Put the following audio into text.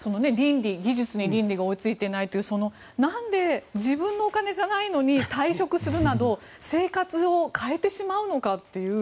技術に倫理が追いついていないというなんで自分のお金じゃないのに退職するなど生活を変えてしまうのかという。